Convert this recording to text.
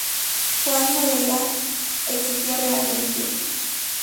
Juan Moreira existió realmente.